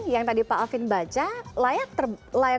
yang tadi pak alvin baca layak